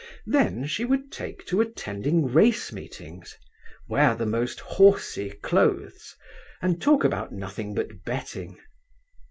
Then she would take to attending race meetings, wear the most horsey clothes, and talk about nothing but betting.